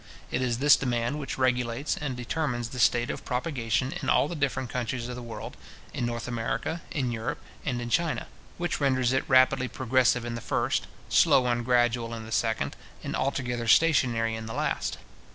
It is this demand which regulates and determines the state of propagation in all the different countries of the world; in North America, in Europe, and in China; which renders it rapidly progressive in the first, slow and gradual in the second, and altogether stationary in the last.